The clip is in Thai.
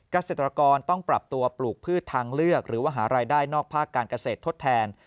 เกษตรกรต้องปรับตัวปลูกพืชทางเลือกหรือว่าหารายได้นอกภาคการเกษตรทดแทน